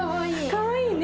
かわいいね。